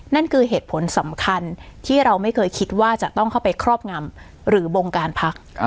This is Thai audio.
นั่นคือเหตุผลสำคัญที่เราไม่เคยคิดว่าจะต้องเข้าไปครอบงำหรือบงการพัก